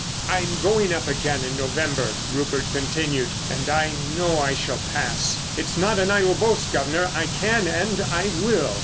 "I'm going up again in November," Rupert continued. "And I know I shall pass. It's not an idle boast, guv'nor. I can, and I will."